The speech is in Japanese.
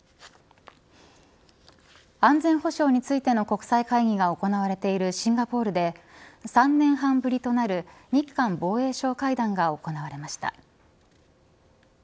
安全保障についての国際会議が行われているシンガポールで３年半ぶりとなる日韓防衛相会談が行われました。